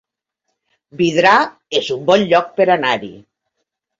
Vidrà es un bon lloc per anar-hi